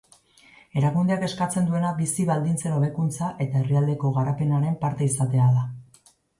Erakundeak eskatzen duena bizi baldintzen hobekuntza eta herrialdeko garapenaren parte izatea da.